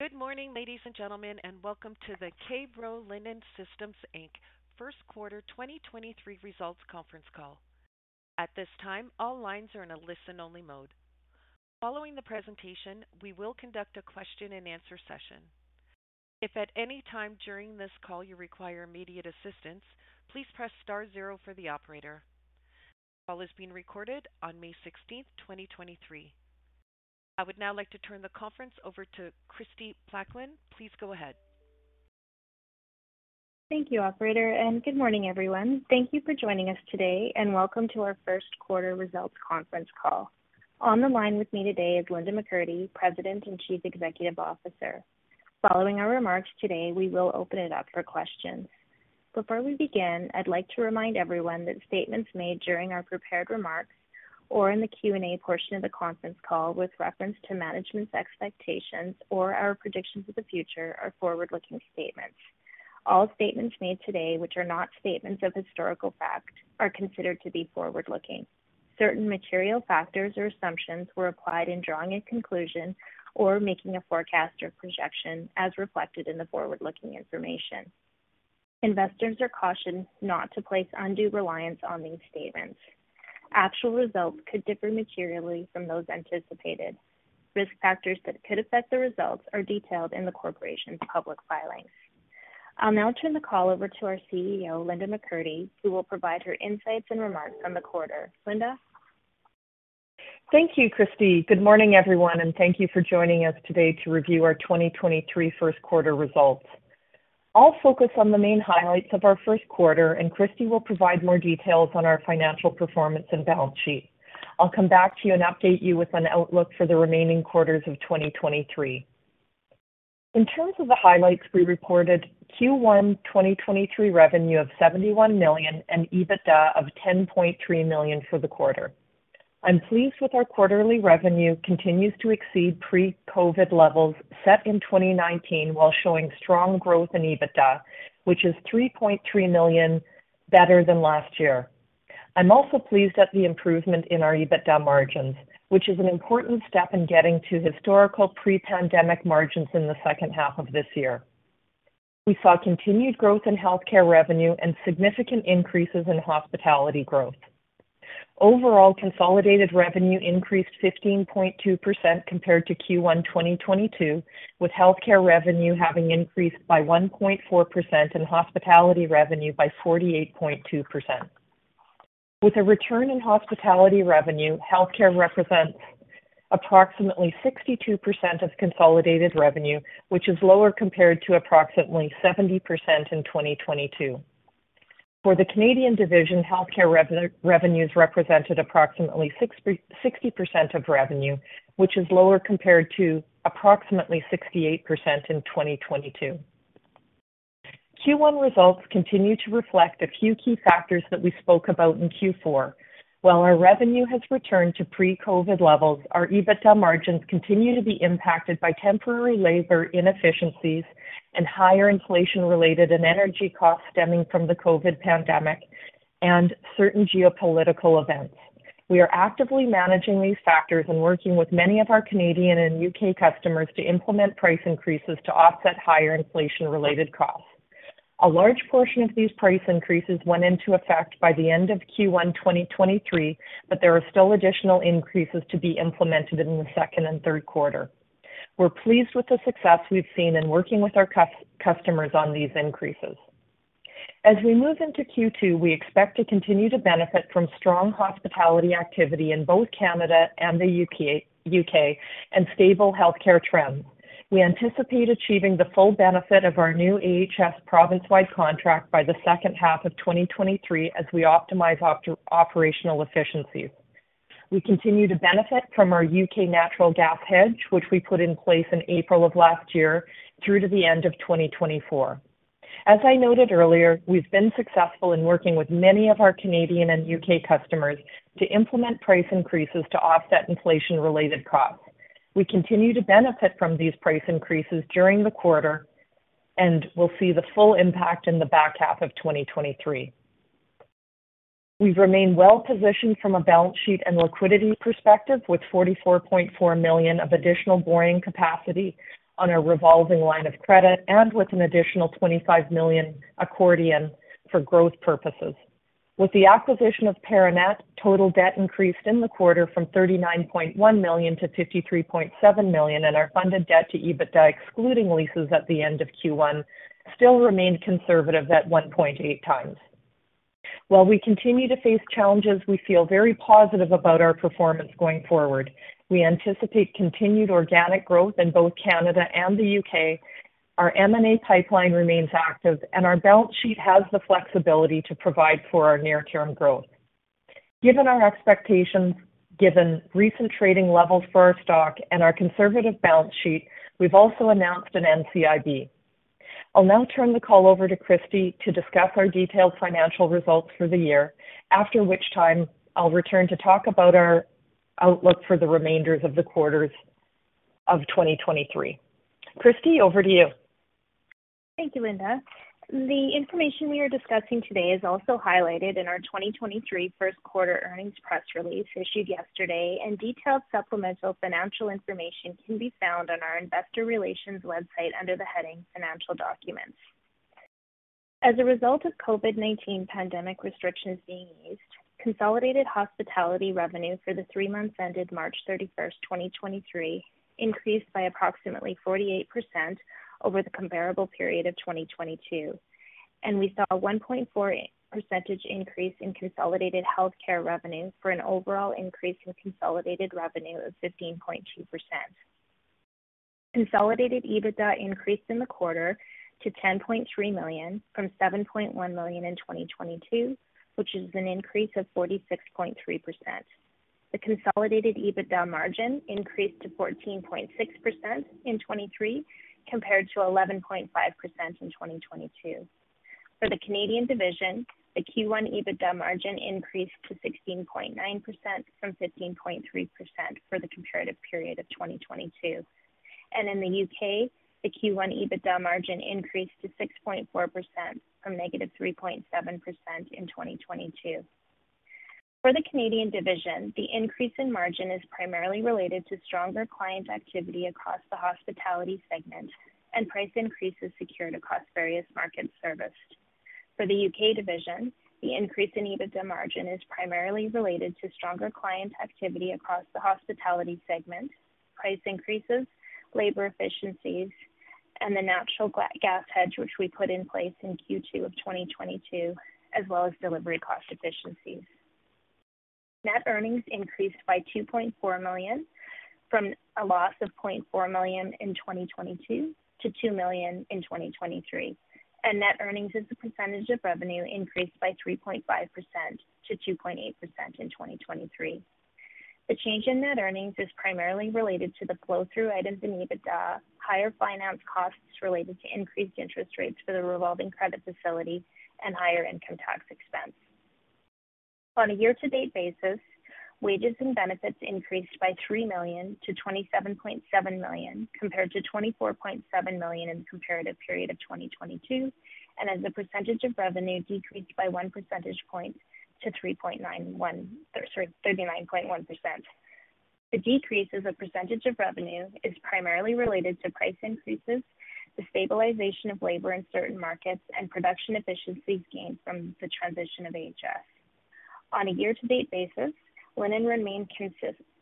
Good morning, ladies and gentlemen, and welcome to the K-Bro Linen Systems Inc. First Quarter 2023 Results Conference Call. At this time, all lines are in a listen-only mode. Following the presentation, we will conduct a question-and-answer session. If at any time during this call you require immediate assistance, please press star zero for the operator. The call is being recorded on May 16th, 2023. I would now like to turn the conference over to Kristie Plaquin. Please go ahead. Thank you, operator. Good morning, everyone. Thank you for joining us today and welcome to our First Quarter Results Conference Call. On the line with me today is Linda McCurdy, President and Chief Executive Officer. Following our remarks today, we will open it up for questions. Before we begin, I'd like to remind everyone that statements made during our prepared remarks or in the Q&A portion of the conference call with reference to management's expectations or our predictions of the future are forward-looking statements. All statements made today, which are not statements of historical fact, are considered to be forward-looking. Certain material factors or assumptions were applied in drawing a conclusion or making a forecast or projection as reflected in the forward-looking information. Investors are cautioned not to place undue reliance on these statements. Actual results could differ materially from those anticipated. Risk factors that could affect the results are detailed in the Corporation's public filings. I'll now turn the call over to our CEO, Linda McCurdy, who will provide her insights and remarks from the quarter. Linda. Thank you, Kristie. Good morning, everyone, thank you for joining us today to review our 2023 first quarter results. I'll focus on the main highlights of our first quarter, Kristie will provide more details on our financial performance and balance sheet. I'll come back to you and update you with an outlook for the remaining quarters of 2023. In terms of the highlights, we reported Q1 2023 revenue of 71 million and EBITDA of 10.3 million for the quarter. I'm pleased with our quarterly revenue continues to exceed pre-COVID levels set in 2019 while showing strong growth in EBITDA, which is 3.3 million better than last year. I'm also pleased at the improvement in our EBITDA margins, which is an important step in getting to historical pre-pandemic margins in the second half of this year. We saw continued growth in healthcare revenue and significant increases in hospitality growth. Overall, consolidated revenue increased 15.2% compared to Q1 2022, with healthcare revenue having increased by 1.4% and hospitality revenue by 48.2%. With a return in hospitality revenue, healthcare represents approximately 62% of consolidated revenue, which is lower compared to approximately 70% in 2022. For the Canadian division, healthcare revenues represented approximately 60% of revenue, which is lower compared to approximately 68% in 2022. Q1 results continue to reflect a few key factors that we spoke about in Q4. While our revenue has returned to pre-COVID levels, our EBITDA margins continue to be impacted by temporary labor inefficiencies and higher inflation related and energy costs stemming from the COVID pandemic and certain geopolitical events. We are actively managing these factors and working with many of our Canadian and U.K. customers to implement price increases to offset higher inflation-related costs. A large portion of these price increases went into effect by the end of Q1 2023, but there are still additional increases to be implemented in the 2nd and 3rd quarter. We're pleased with the success we've seen in working with our customers on these increases. As we move into Q2, we expect to continue to benefit from strong hospitality activity in both Canada and the U.K., and stable healthcare trends. We anticipate achieving the full benefit of our new AHS province-wide contract by the 2nd half of 2023 as we optimize operational efficiencies. We continue to benefit from our U.K. natural gas hedge, which we put in place in April of last year through to the end of 2024. As I noted earlier, we've been successful in working with many of our Canadian and U.K. customers to implement price increases to offset inflation-related costs. We continue to benefit from these price increases during the quarter, and we'll see the full impact in the back half of 2023. We've remained well-positioned from a balance sheet and liquidity perspective with 44.4 million of additional borrowing capacity on a revolving line of credit and with an additional 25 million accordion for growth purposes. With the acquisition of Paranet, total debt increased in the quarter from 39.1 million to 53.7 million, and our funded debt to EBITDA excluding leases at the end of Q1 still remained conservative at 1.8x. While we continue to face challenges, we feel very positive about our performance going forward. We anticipate continued organic growth in both Canada and the U.K. Our M&A pipeline remains active. Our balance sheet has the flexibility to provide for our near-term growth. Given our expectations, given recent trading levels for our stock and our conservative balance sheet, we've also announced an NCIB. I'll now turn the call over to Kristie to discuss our detailed financial results for the year, after which time I'll return to talk about our outlook for the remainder of the quarters of 2023. Kristie, over to you. Thank you, Linda. The information we are discussing today is also highlighted in our 2023 first quarter earnings press release issued yesterday. Detailed supplemental financial information can be found on our investor relations website under the heading Financial Documents. As a result of COVID-19 pandemic restrictions being eased, consolidated hospitality revenue for the three months ended March 31st, 2023 increased by approximately 48% over the comparable period of 2022. We saw a 1.4 percentage increase in consolidated healthcare revenue for an overall increase in consolidated revenue of 15.2%. Consolidated EBITDA increased in the quarter to 10.3 million from 7.1 million in 2022, which is an increase of 46.3%. The consolidated EBITDA margin increased to 14.6% in 2023, compared to 11.5% in 2022. For the Canadian division, the Q1 EBITDA margin increased to 16.9% from 15.3% for the comparative period of 2022. In the U.K., the Q1 EBITDA margin increased to 6.4% from -3.7% in 2022. For the Canadian division, the increase in margin is primarily related to stronger client activity across the hospitality segment and price increases secured across various markets serviced. For the U.K. division, the increase in EBITDA margin is primarily related to stronger client activity across the hospitality segment, price increases, labor efficiencies, and the natural gas hedge which we put in place in Q2 of 2022, as well as delivery cost efficiencies. Net earnings increased by 2.4 million, from a loss of 0.4 million in 2022 to 2 million in 2023, and net earnings as a percentage of revenue increased by 3.5% to 2.8% in 2023. The change in net earnings is primarily related to the flow through items in EBITDA, higher finance costs related to increased interest rates for the revolving credit facility and higher income tax expense. On a year-to-date basis, wages and benefits increased by 3 million to 27.7 million, compared to 24.7 million in the comparative period of 2022, and as a percentage of revenue decreased by 1 percentage point to 39.1%. The decrease as a percentage of revenue is primarily related to price increases, the stabilization of labor in certain markets, and production efficiencies gained from the transition of AHS. On a year-to-date basis, linen remained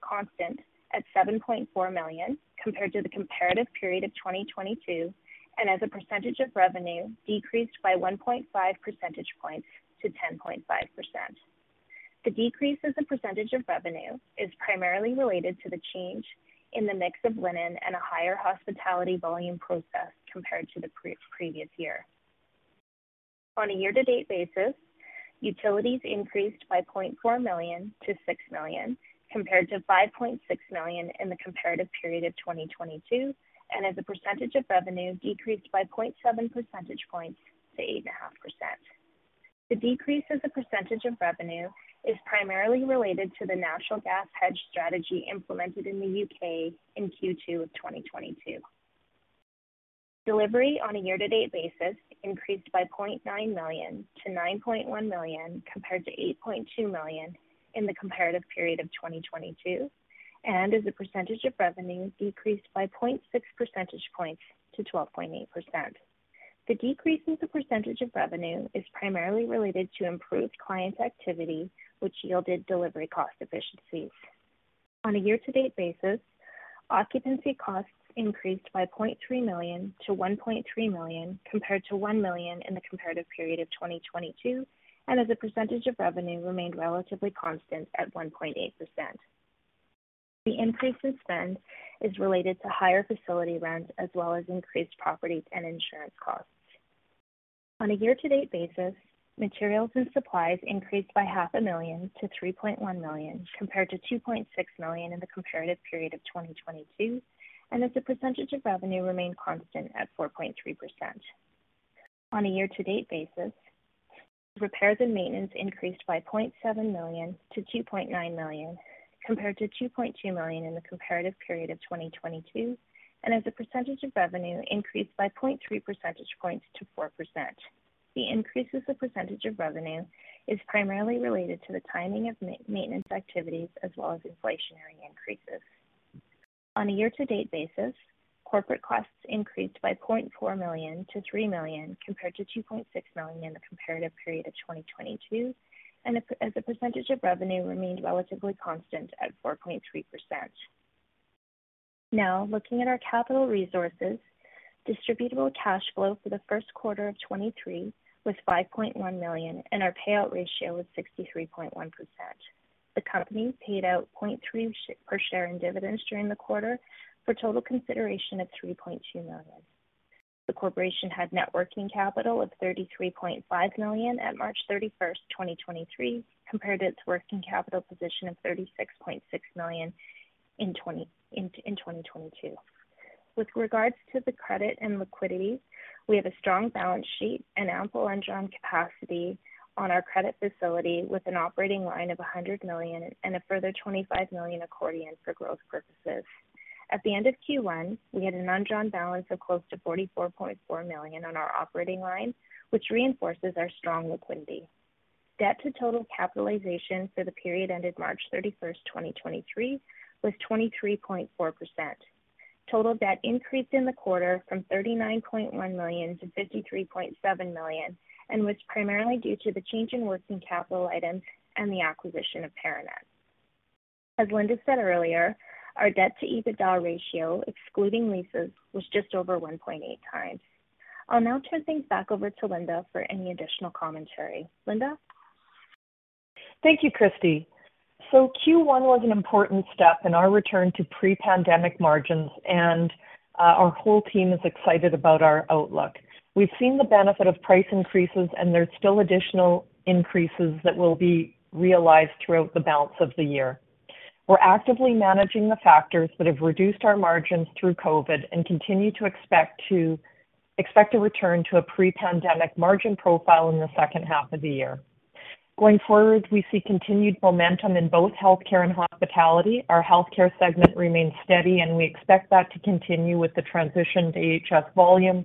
constant at 7.4 million compared to the comparative period of 2022, and as a percentage of revenue decreased by 1.5 percentage points to 10.5%. The decrease as a percentage of revenue is primarily related to the change in the mix of linen and a higher hospitality volume processed compared to the pre-previous year. On a year-to-date basis, utilities increased by 0.4 million to 6 million, compared to 5.6 million in the comparative period of 2022, and as a percentage of revenue decreased by 0.7 percentage points to 8.5%. The decrease as a percentage of revenue is primarily related to the natural gas hedge strategy implemented in the U.K. in Q2 of 2022. Delivery on a year-to-date basis increased by 0.9 million to 9.1 million, compared to 8.2 million in the comparative period of 2022, and as a percentage of revenue decreased by 0.6 percentage points to 12.8%. The decrease in the percentage of revenue is primarily related to improved client activity, which yielded delivery cost efficiencies. On a year-to-date basis, occupancy costs increased by 0.3 million to 1.3 million, compared to 1 million in the comparative period of 2022, and as a percentage of revenue remained relatively constant at 1.8%. The increase in spend is related to higher facility rents as well as increased property and insurance costs. On a year-to-date basis, materials and supplies increased by half a million to 3.1 million, compared to 2.6 million in the comparative period of 2022, and as a percentage of revenue remained constant at 4.3%. On a year-to-date basis, repairs and maintenance increased by 0.7 million to 2.9 million, compared to 2.2 million in the comparative period of 2022, and as a percentage of revenue increased by 0.3 percentage points to 4%. The increase as a percentage of revenue is primarily related to the timing of maintenance activities as well as inflationary increases. On a year-to-date basis, corporate costs increased by 0.4 million to 3 million, compared to 2.6 million in the comparative period of 2022, and as a percentage of revenue remained relatively constant at 4.3%. Looking at our capital resources. Distributable cash flow for the first quarter of 2023 was 5.1 million. Our payout ratio was 63.1%. The company paid out 0.3 per share in dividends during the quarter for total consideration of 3.2 million. The corporation had net working capital of 33.5 million at March 31st, 2023, compared to its working capital position of 36.6 million in 2022. With regards to the credit and liquidity, we have a strong balance sheet and ample undrawn capacity on our credit facility with an operating line of 100 million and a further 25 million accordion for growth purposes. At the end of Q1, we had an undrawn balance of close to 44.4 million on our operating line, which reinforces our strong liquidity. Debt to total capitalization for the period ended March 31, 2023 was 23.4%. Total debt increased in the quarter from 39.1 million to 53.7 million, was primarily due to the change in working capital items and the acquisition of Paranet. As Linda said earlier, our debt to EBITDA ratio, excluding leases, was just over 1.8x. I'll now turn things back over to Linda for any additional commentary. Linda? Thank you, Kristie. Q1 was an important step in our return to pre-pandemic margins and our whole team is excited about our outlook. We've seen the benefit of price increases and there's still additional increases that will be realized throughout the balance of the year. We're actively managing the factors that have reduced our margins through COVID and continue to expect a return to a pre-pandemic margin profile in the second half of the year. Going forward, we see continued momentum in both healthcare and hospitality. Our healthcare segment remains steady, and we expect that to continue with the transition to AHS volumes,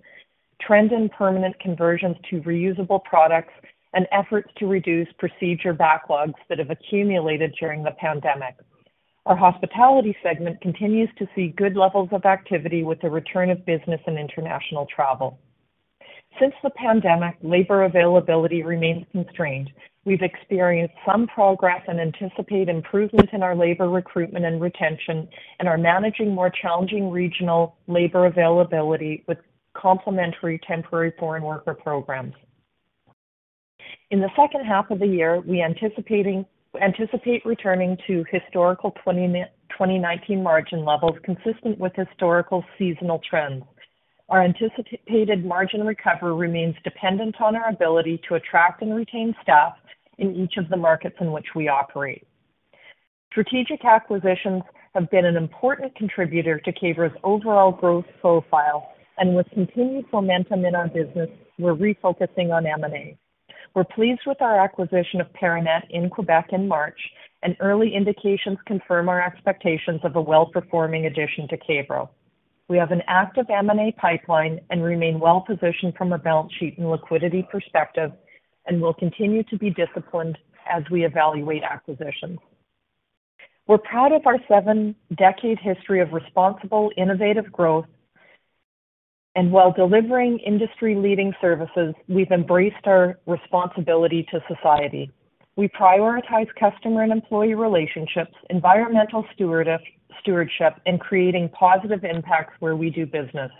trend and permanent conversions to reusable products, and efforts to reduce procedure backlogs that have accumulated during the pandemic. Our hospitality segment continues to see good levels of activity with the return of business and international travel. Since the pandemic, labor availability remains constrained. We've experienced some progress and anticipate improvements in our labor recruitment and retention and are managing more challenging regional labor availability with complementary Temporary Foreign Worker Program. In the second half of the year, we anticipate returning to historical 2019 margin levels consistent with historical seasonal trends. Our anticipated margin recovery remains dependent on our ability to attract and retain staff in each of the markets in which we operate. Strategic acquisitions have been an important contributor to K-Bro's overall growth profile, and with continued momentum in our business, we're refocusing on M&A. We're pleased with our acquisition of Paranet in Quebec in March, and early indications confirm our expectations of a well-performing addition to K-Bro. We have an active M&A pipeline and remain well-positioned from a balance sheet and liquidity perspective and will continue to be disciplined as we evaluate acquisitions. We're proud of our seven-decade history of responsible, innovative growth. While delivering industry-leading services, we've embraced our responsibility to society. We prioritize customer and employee relationships, environmental stewardship, and creating positive impacts where we do business.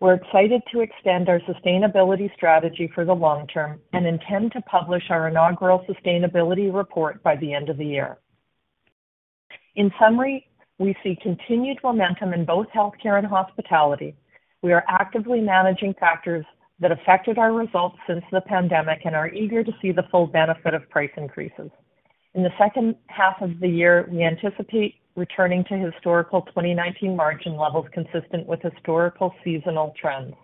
We're excited to extend our sustainability strategy for the long term and intend to publish our inaugural sustainability report by the end of the year. In summary, we see continued momentum in both healthcare and hospitality. We are actively managing factors that affected our results since the pandemic and are eager to see the full benefit of price increases. In the second half of the year, we anticipate returning to historical 2019 margin levels consistent with historical seasonal trends.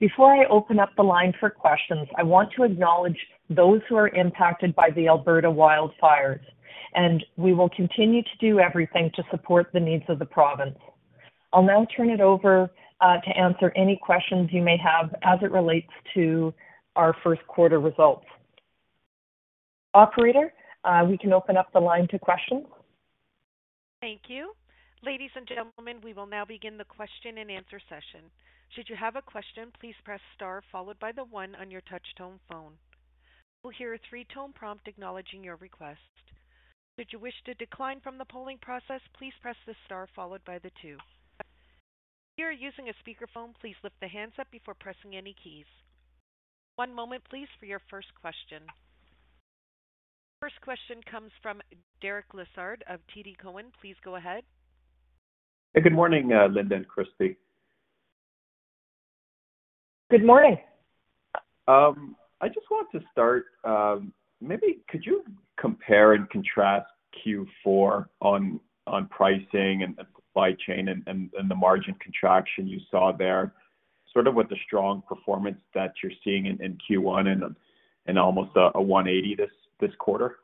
Before I open up the line for questions, I want to acknowledge those who are impacted by the Alberta wildfires, and we will continue to do everything to support the needs of the province. I'll now turn it over to answer any questions you may have as it relates to our first quarter results. Operator, we can open up the line to questions. Thank you. Ladies and gentlemen, we will now begin the question and answer session. Should you have a question, please press star followed by the one on your touch tone phone. You will hear a three-tone prompt acknowledging your request. Should you wish to decline from the polling process, please press the star followed by the two. If you are using a speakerphone, please lift the handset up before pressing any keys. One moment please for your first question. First question comes from Derek Lessard of TD Cowen. Please go ahead. Good morning, Linda and Kristie. Good morning. I just want to start, maybe could you compare and contrast Q4 on pricing and supply chain and the margin contraction you saw there, sort of with the strong performance that you're seeing in Q1 and almost a 180 this quarter?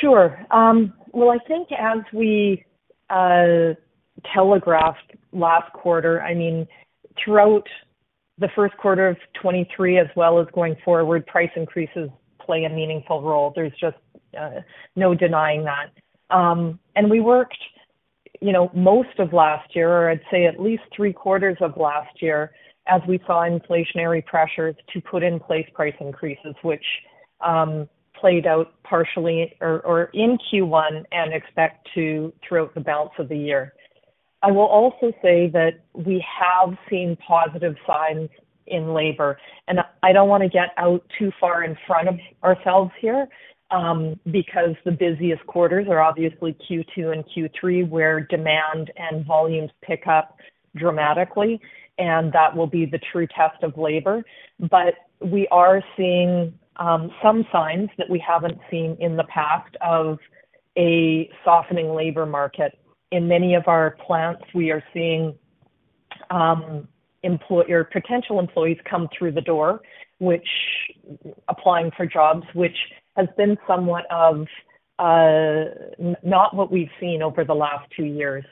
Sure. Well, I think as we telegraphed last quarter, I mean, throughout the first quarter of 23 as well as going forward, price increases play a meaningful role. There's just no denying that. We worked, you know, most of last year, or I'd say at least three-quarters of last year as we saw inflationary pressures to put in place price increases, which played out partially or in Q1 and expect to throughout the balance of the year. I will also say that we have seen positive signs in labor. I don't wanna get out too far in front of ourselves here, because the busiest quarters are obviously Q2 and Q3, where demand and volumes pick up dramatically, and that will be the true test of labor. We are seeing some signs that we haven't seen in the past of a softening labor market. In many of our plants, we are seeing potential employees come through the door, applying for jobs, which has been somewhat of not what we've seen over the last two years.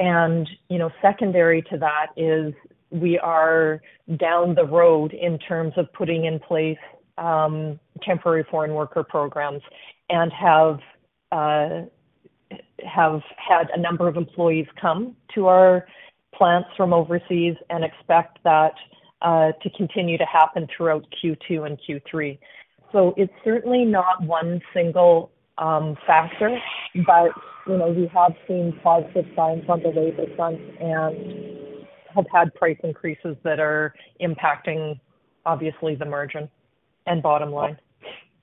You know, secondary to that is we are down the road in terms of putting in place Temporary Foreign Worker Program and have had a number of employees come to our plants from overseas and expect that to continue to happen throughout Q2 and Q3. It's certainly not one single factor, but, you know, we have seen positive signs on the labor front and have had price increases that are impacting obviously the margin and bottom line.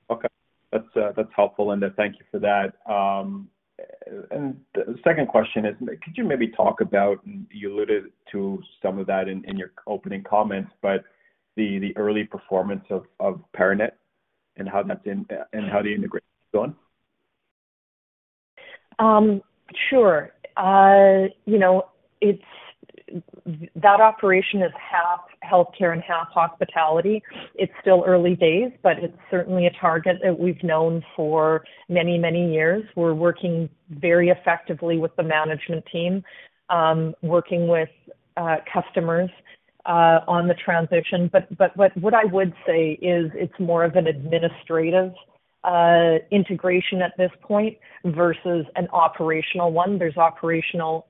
Okay. That's, that's helpful, Linda. Thank you for that. The second question is, could you maybe talk about, you alluded to some of that in your opening comments, but the early performance of Paranet and how the integration is going? Sure. You know, that operation is half healthcare and half hospitality. It's still early days, but it's certainly a target that we've known for many, many years. We're working very effectively with the management team, working with customers on the transition. What I would say is it's more of an administrative integration at this point versus an operational one. There's operational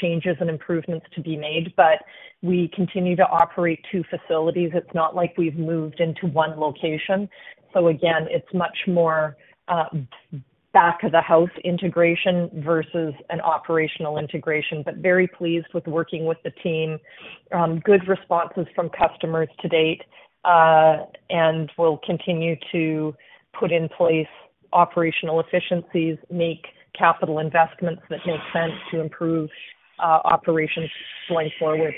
changes and improvements to be made, but we continue to operate two facilities. It's not like we've moved into one location. Again, it's much more back of the house integration versus an operational integration, but very pleased with working with the team. Good responses from customers to date, and we'll continue to put in place operational efficiencies, make capital investments that make sense to improve operations going forward.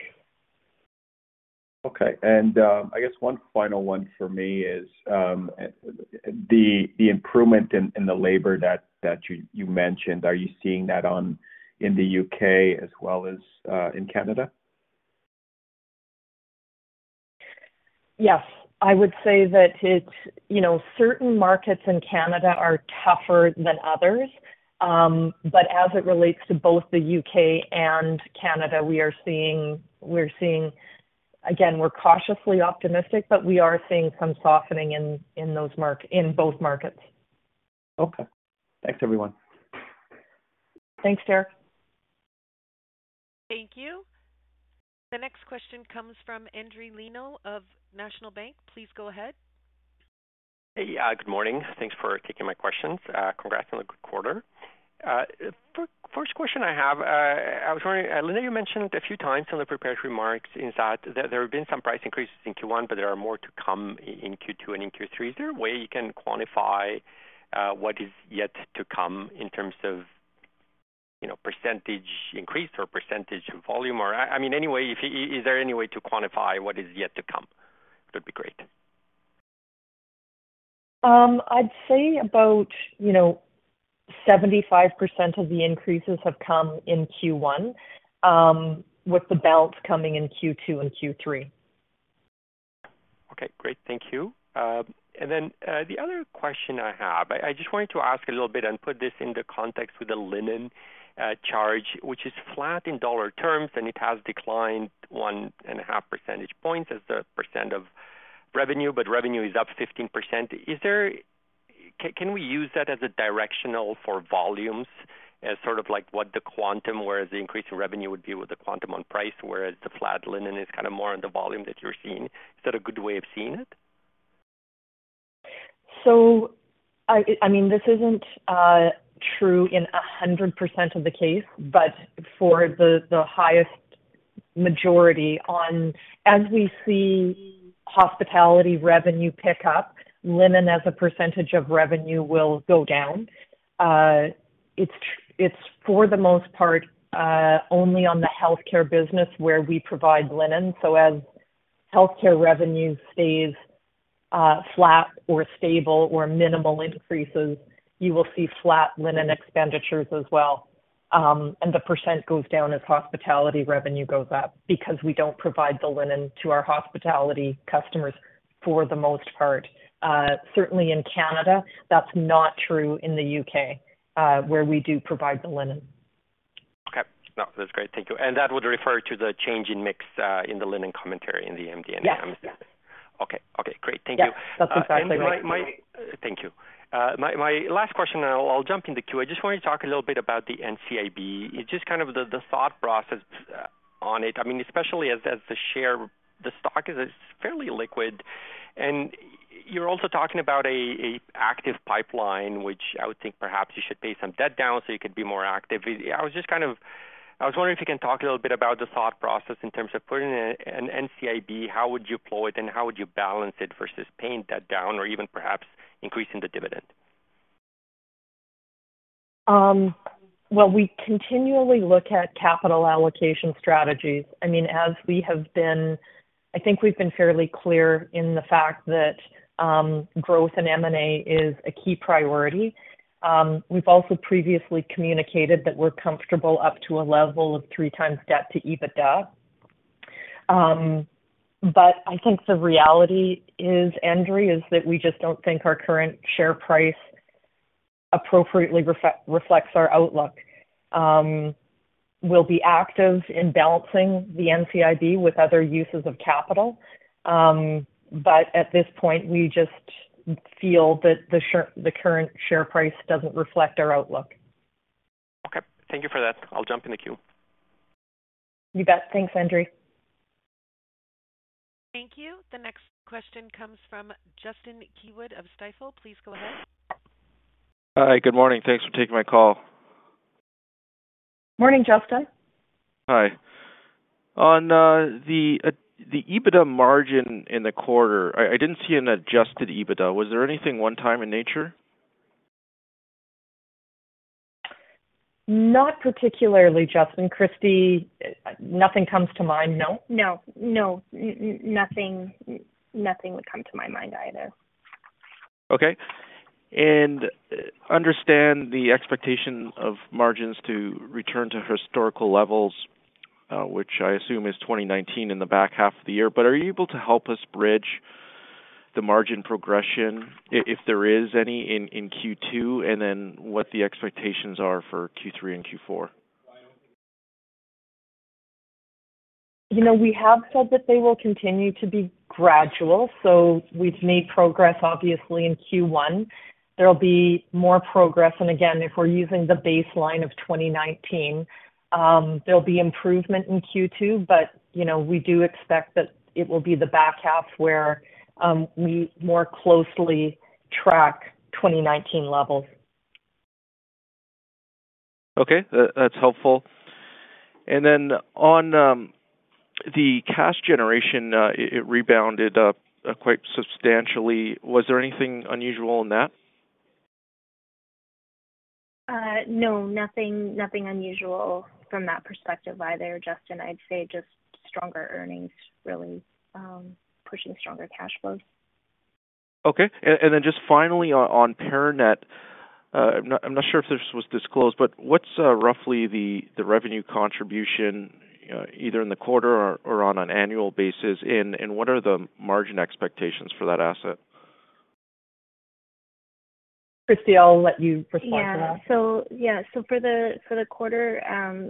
Okay. I guess one final one for me is, the improvement in the labor that you mentioned. Are you seeing that in the U.K. as well as in Canada? Yes. I would say that it's, you know, certain markets in Canada are tougher than others. As it relates to both the U.K. and Canada, we're seeing. Again, we're cautiously optimistic, but we are seeing some softening in both markets. Okay. Thanks, everyone. Thanks, Derek. Thank you. The next question comes from Andrew Lin of National Bank. Please go ahead. Hey, good morning. Thanks for taking my questions. Congrats on a good quarter. First question I have, I was wondering, Linda, you mentioned a few times in the prepared remarks is that there have been some price increases in Q1, but there are more to come in Q2 and in Q3. Is there a way you can quantify, what is yet to come in terms of, you know, percentage increase or percentage volume? I mean, any way, is there any way to quantify what is yet to come? That'd be great. I'd say about, you know, 75% of the increases have come in Q1, with the balance coming in Q2 and Q3. Okay, great. Thank you. The other question I have, I just wanted to ask a little bit and put this into context with the linen charge, which is flat in CAD dollar terms, it has declined 1.5 percentage points as a % of revenue is up 15%. Can we use that as a directional for volumes as sort of like what the quantum, whereas the increase in revenue would be with the quantum on price, whereas the flat linen is kinda more on the volume that you're seeing? Is that a good way of seeing it? I mean, this isn't true in 100% of the case, but for the highest majority as we see hospitality revenue pick up, linen as a percentage of revenue will go down. It's for the most part only on the healthcare business where we provide linen. As healthcare revenue stays flat or stable or minimal increases, you will see flat linen expenditures as well. The percent goes down as hospitality revenue goes up because we don't provide the linen to our hospitality customers for the most part, certainly in Canada. That's not true in the U.K., where we do provide the linen. Okay. No, that's great. Thank you. That would refer to the change in mix, in the linen commentary in the MD&A, I'm assuming. Yes. Yes. Okay. Okay, great. Thank you. Yeah. That's exactly right. My. Thank you. My last question, I'll jump into queue. I just wanted to talk a little bit about the NCIB. Just kind of the thought process on it. I mean, especially as the stock is fairly liquid. You're also talking about a active pipeline, which I would think perhaps you should pay some debt down so you could be more active. I was wondering if you can talk a little bit about the thought process in terms of putting an NCIB, how would you deploy it, and how would you balance it versus paying debt down or even perhaps increasing the dividend? Well, we continually look at capital allocation strategies. I mean, I think we've been fairly clear in the fact that growth in M&A is a key priority. We've also previously communicated that we're comfortable up to a level of 3x debt to EBITDA. I think the reality is, Andre, is that we just don't think our current share price appropriately reflects our outlook. We'll be active in balancing the NCIB with other uses of capital. At this point, we just feel that the current share price doesn't reflect our outlook. Okay. Thank you for that. I'll jump in the queue. You bet. Thanks, Andre. Thank you. The next question comes from Justin Keywood of Stifel. Please go ahead. Hi. Good morning. Thanks for taking my call. Morning, Justin. Hi. On the EBITDA margin in the quarter, I didn't see an adjusted EBITDA. Was there anything one-time in nature? Not particularly, Justin. Kristie, nothing comes to mind. No? No, no. Nothing would come to my mind either. Understand the expectation of margins to return to historical levels, which I assume is 2019 in the back half of the year. Are you able to help us bridge the margin progression if there is any in Q2, and then what the expectations are for Q3 and Q4? You know, we have said that they will continue to be gradual, we've made progress, obviously, in Q1. There'll be more progress. Again, if we're using the baseline of 2019, there'll be improvement in Q2, you know, we do expect that it will be the back half where we more closely track 2019 levels. Okay. That's helpful. On, the cash generation, it rebounded up quite substantially. Was there anything unusual in that? No, nothing unusual from that perspective either, Justin. I'd say just stronger earnings, really, pushing stronger cash flows. Okay. Then just finally on Paranet, I'm not sure if this was disclosed, but what's roughly the revenue contribution either in the quarter or on an annual basis, and what are the margin expectations for that asset? Kristie, I'll let you respond to that. Yeah. Yeah. For the quarter,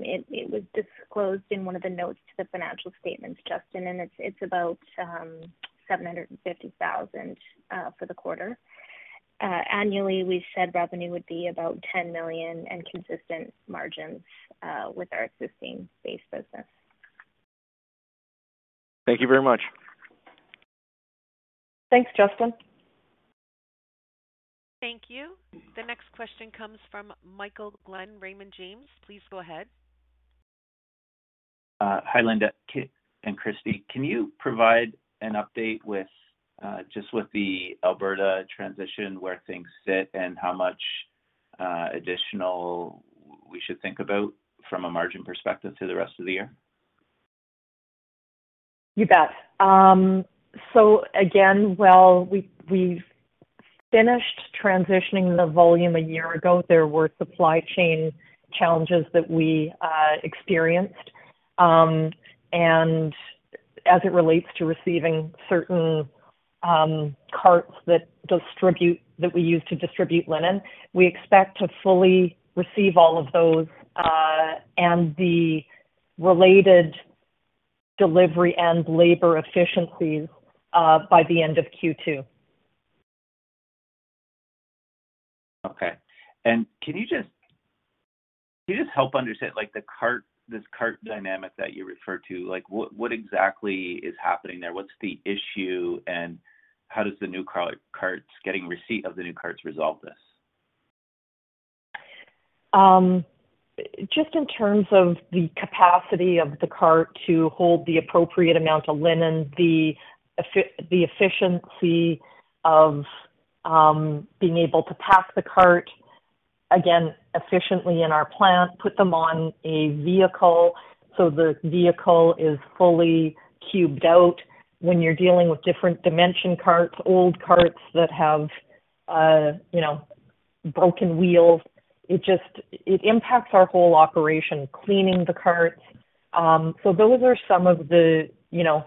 it was disclosed in one of the notes to the financial statements, Justin, and it's about $750,000 for the quarter. Annually, we said revenue would be about $10 million and consistent margins with our existing base business. Thank you very much. Thanks, Justin. Thank you. The next question comes from Michael Glen, Raymond James. Please go ahead. Hi, Linda and Kristie. Can you provide an update with just with the Alberta transition, where things sit and how much additional we should think about from a margin perspective through the rest of the year? You bet. Again, while we've finished transitioning the volume a year ago, there were supply chain challenges that we experienced, and as it relates to receiving certain carts that we use to distribute linen, we expect to fully receive all of those, and the related delivery and labor efficiencies, by the end of Q2. Okay. Can you just help understand, like, this cart dynamic that you refer to? Like, what exactly is happening there? What's the issue, and how does getting receipt of the new carts resolve this? Just in terms of the capacity of the cart to hold the appropriate amount of linen, the efficiency of being able to pack the cart, again, efficiently in our plant, put them on a vehicle so the vehicle is fully cubed out. When you're dealing with different dimension carts, old carts that have, you know, broken wheels, it impacts our whole operation, cleaning the carts. Those are some of the, you know,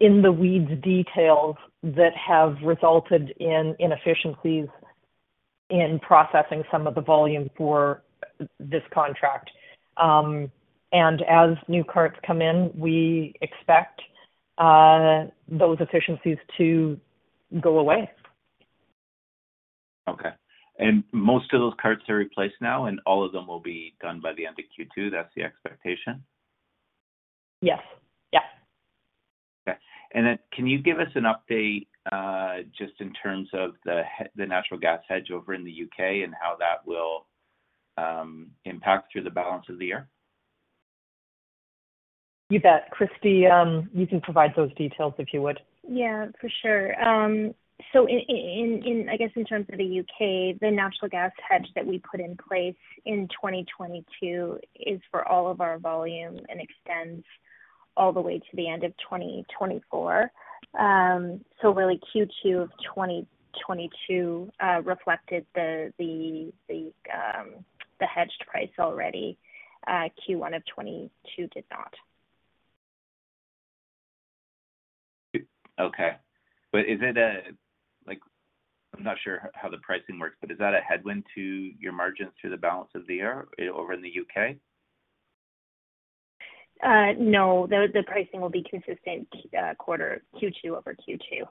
in the weeds details that have resulted in inefficiencies in processing some of the volume for this contract. As new carts come in, we expect those efficiencies to go away. Okay. Most of those carts are replaced now, and all of them will be done by the end of Q2. That's the expectation? Yes. Yeah. Can you give us an update, just in terms of the natural gas hedge over in the U.K. and how that will impact through the balance of the year? You bet. Kristie, you can provide those details if you would. Yeah, for sure. In terms of the U.K., the natural gas hedge that we put in place in 2022 is for all of our volume and extends all the way to the end of 2024. Really Q2 of 2022 reflected the hedged price already. Q1 of 2022 did not. Okay. Is it Like, I'm not sure how the pricing works, but is that a headwind to your margins through the balance of the year over in the U.K.? No. The pricing will be consistent, quarter Q2-over-Q2.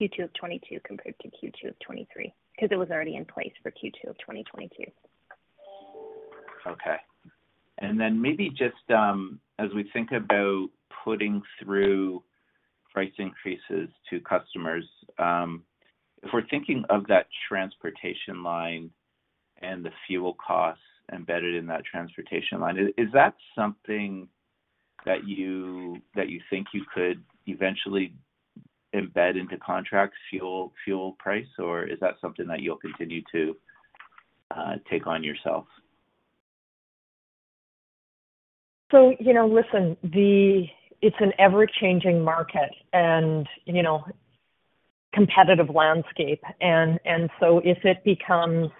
Q2 of 2022 compared to Q2 of 2023, 'cause it was already in place for Q2 of 2022. Okay. Maybe just, as we think about putting through price increases to customers, if we're thinking of that transportation line and the fuel costs embedded in that transportation line, is that something that you think you could eventually embed into contract fuel price? Or is that something that you'll continue to take on yourself? You know, listen, the it's an ever-changing market and, you know, competitive landscape and so if it becomes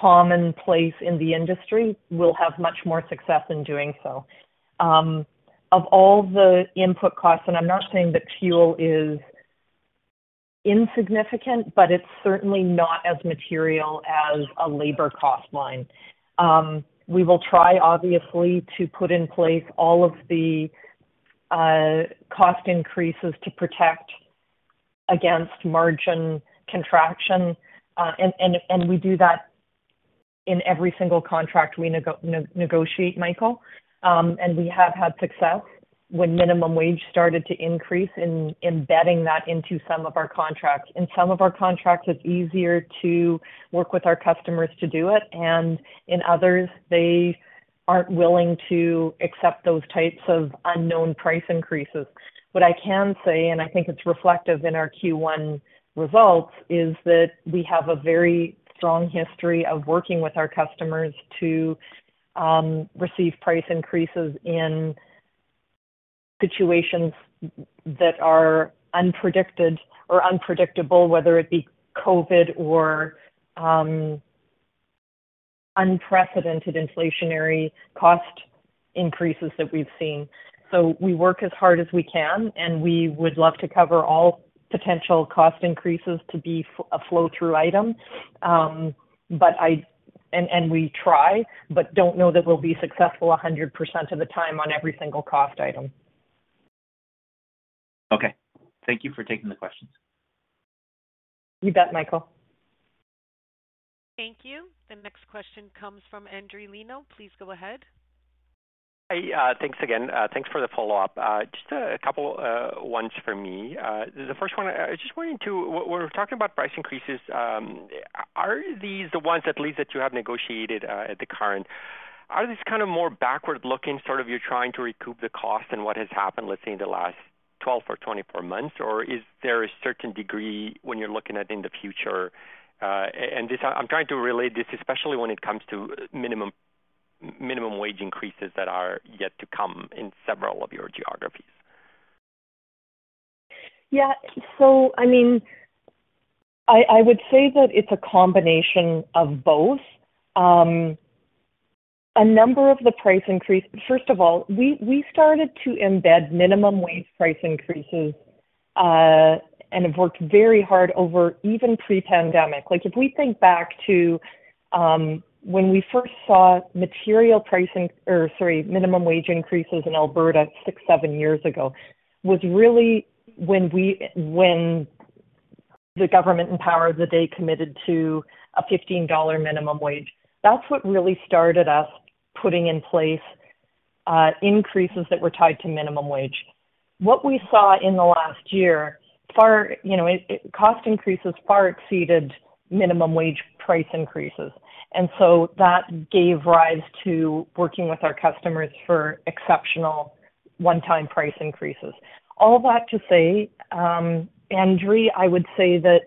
commonplace in the industry, we'll have much more success in doing so. Of all the input costs, and I'm not saying that fuel is insignificant, but it's certainly not as material as a labor cost line. We will try obviously to put in place all of the cost increases to protect against margin contraction. We do that in every single contract we negotiate, Michael. We have had success when minimum wage started to increase in embedding that into some of our contracts. In some of our contracts, it's easier to work with our customers to do it, and in others, they aren't willing to accept those types of unknown price increases. What I can say, and I think it's reflective in our Q1 results, is that we have a very strong history of working with our customers to receive price increases in situations that are unpredicted or unpredictable, whether it be COVID or unprecedented inflationary cost increases that we've seen. We work as hard as we can, and we would love to cover all potential cost increases to be a flow-through item. We try, but don't know that we'll be successful 100% of the time on every single cost item. Okay. Thank you for taking the questions. You bet, Michael. Thank you. The next question comes from Andrew Lin. Please go ahead. Hey, thanks again. Thanks for the follow-up. Just a couple ones for me. The first one, I just wanted to when we're talking about price increases, are these the ones at least that you have negotiated at the current? Are these kind of more backward-looking, sort of you're trying to recoup the cost and what has happened, let's say, in the last 12 or 24 months? Is there a certain degree when you're looking at in the future? This I'm trying to relate this especially when it comes to minimum wage increases that are yet to come in several of your geographies. I mean, I would say that it's a combination of both. First of all, we started to embed minimum wage price increases, and have worked very hard over even pre-pandemic. Like, if we think back to when we first saw material pricing, or sorry, minimum wage increases in Alberta six, seven years ago, was really when the government in power of the day committed to a $15 minimum wage. That's what really started us putting in place, increases that were tied to minimum wage. What we saw in the last year, You know, cost increases far exceeded minimum wage price increases. That gave rise to working with our customers for exceptional one-time price increases. All that to say, Andre, I would say that,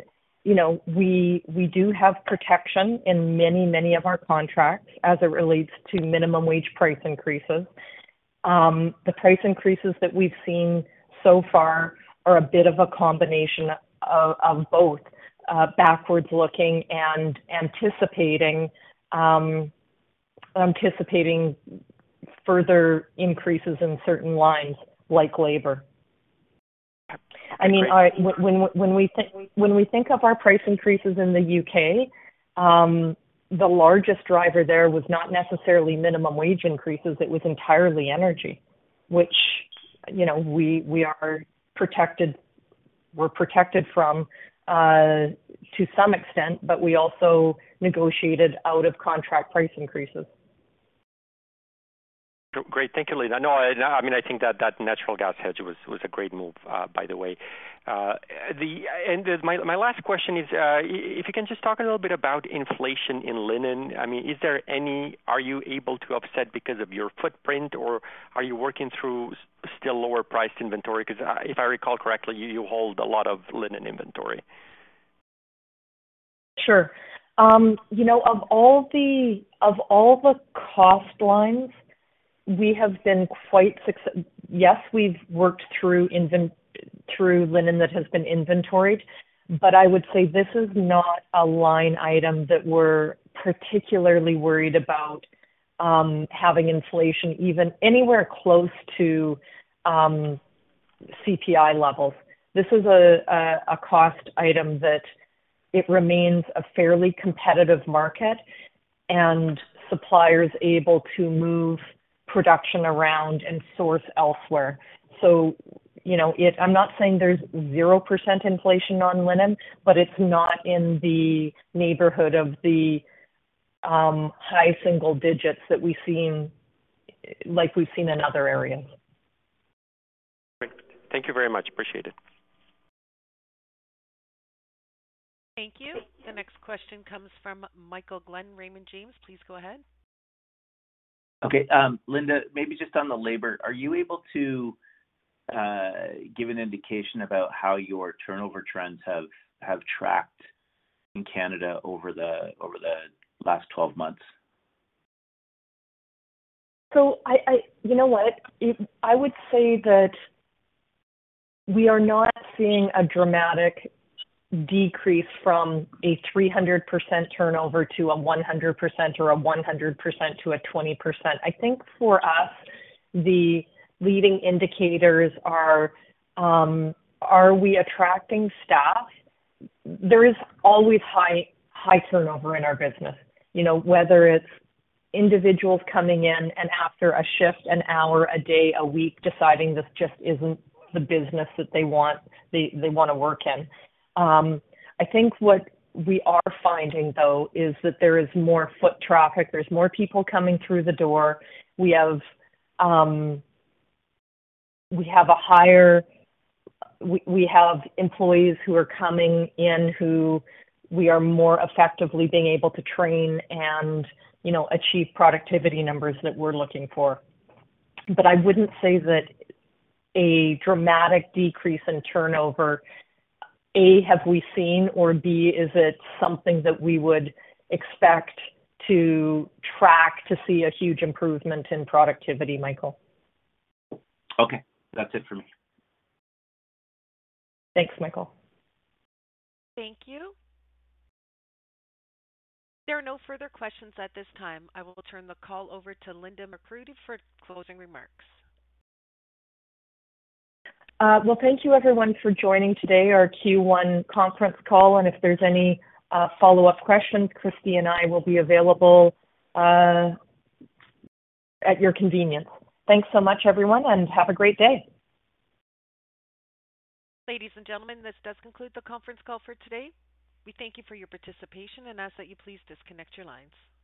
you know, we do have protection in many, many of our contracts as it relates to minimum wage price increases. The price increases that we've seen so far are a bit of a combination of both, backwards looking and anticipating further increases in certain lines like labor. I mean, when we think of our price increases in the U.K., the largest driver there was not necessarily minimum wage increases, it was entirely energy, which, you know, we're protected from, to some extent, but we also negotiated out of contract price increases. Great. Thank you, Linda. No, I mean, I think that that natural gas hedge was a great move, by the way. My, my last question is, if you can just talk a little bit about inflation in linen. I mean, are you able to offset because of your footprint, or are you working through still lower priced inventory? 'Cause, if I recall correctly, you hold a lot of linen inventory. Sure. You know, of all the cost lines, Yes, we've worked through linen that has been inventoried, but I would say this is not a line item that we're particularly worried about. Having inflation even anywhere close to CPI levels. This is a cost item that it remains a fairly competitive market and suppliers able to move production around and source elsewhere. You know, I'm not saying there's 0% inflation on linen, but it's not in the neighborhood of the high single digits that we've seen, like we've seen in other areas. Thank you very much. Appreciate it. Thank you. The next question comes from Michael Glen, Raymond James. Please go ahead. Okay. Linda, maybe just on the labor, are you able to give an indication about how your turnover trends have tracked in Canada over the last 12 months? You know what? I would say that we are not seeing a dramatic decrease from a 300% turnover to a 100% or a 100% to a 20%. I think for us, the leading indicators are we attracting staff? There is always high turnover in our business, you know, whether it's individuals coming in and after a shift, an hour, a day, a week, deciding this just isn't the business that they want, they wanna work in. I think what we are finding, though, is that there is more foot traffic, there's more people coming through the door. We have employees who are coming in who we are more effectively being able to train and, you know, achieve productivity numbers that we're looking for. I wouldn't say that a dramatic decrease in turnover, A, have we seen, or B, is it something that we would expect to track to see a huge improvement in productivity, Michael? Okay, that's it for me. Thanks, Michael. Thank you. There are no further questions at this time. I will turn the call over to Linda McCurdy for closing remarks. Well, thank you everyone for joining today, our Q1 conference call. If there's any follow-up questions, Kristie and I will be available at your convenience. Thanks so much, everyone, and have a great day. Ladies and gentlemen, this does conclude the conference call for today. We thank you for your participation and ask that you please disconnect your lines.